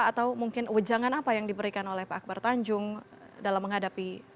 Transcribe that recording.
atau mungkin ujangan apa yang diberikan oleh pak akbar tanjung dalam menghadapi